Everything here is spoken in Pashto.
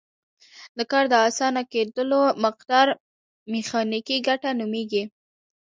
د کار د اسانه کیدلو مقدار میخانیکي ګټه نومیږي.